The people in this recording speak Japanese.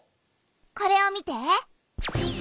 これを見て。